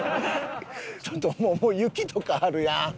ちょっともう雪とかあるやん！